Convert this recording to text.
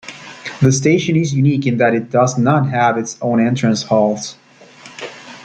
The station is unique in that it does not have its own entrance halls.